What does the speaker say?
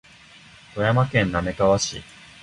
富山県滑川市